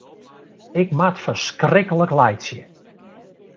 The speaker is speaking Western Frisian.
Ik moat ferskriklik laitsje.